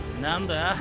何だ？